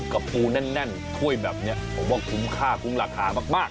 ปูแน่นถ้วยแบบนี้ผมว่าคุ้มค่าคุ้มราคามาก